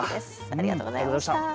ありがとうございます。